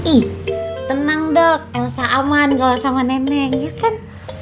ih tenang dok elsa aman kalau sama nenek ya kan